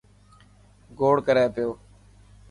گوڙ ڪري پيو.